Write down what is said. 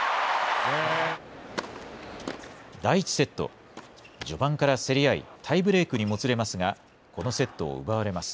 第１セット、序盤から競り合い、タイブレークにもつれますが、このセットを奪われます。